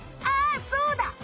ああそうだ！